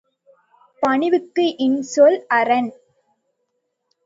பணிவுக்கு இன்சொல் அரண்.